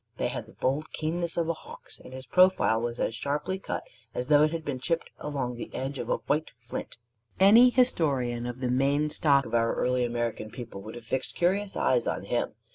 They had the bold keenness of a hawk's; and his profile was as sharply cut as though it had been chipped along the edge of a white flint. Any historian of the main stock of our early American people would have fixed curious eyes on him.